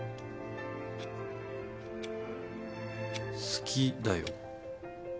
好きだよ。